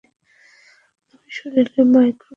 আমি শরীরে মাইক্রোফোন লাগাতে চাই না।